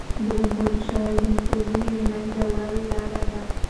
د اوبو جوشول د مکروبونو د له منځه وړلو لاره ده.